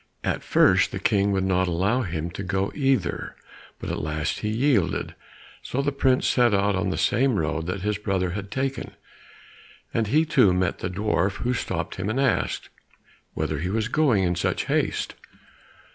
At first the King would not allow him to go either, but at last he yielded, so the prince set out on the same road that his brother had taken, and he too met the dwarf, who stopped him to ask, whither he was going in such haste?